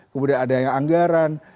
kemudian adanya anggaran